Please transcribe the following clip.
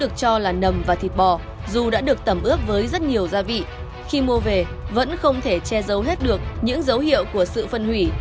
khi mua về vẫn không thể che dấu hết được những dấu hiệu của sự phân hủy